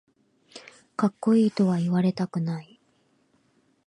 かっこいいとは言われたくない